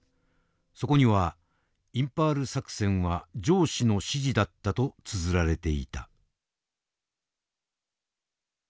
そこには「インパール作戦は上司の指示だった」とつづられていた。